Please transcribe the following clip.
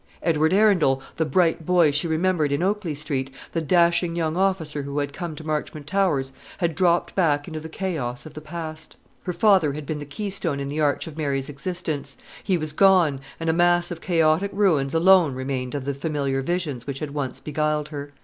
Edward Arundel, the bright boy she remembered in Oakley Street, the dashing young officer who had come to Marchmont Towers, had dropped back into the chaos of the past. Her father had been the keystone in the arch of Mary's existence: he was gone, and a mass of chaotic ruins alone remained of the familiar visions which had once beguiled her.